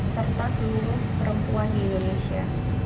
serta seluruh perempuan di indonesia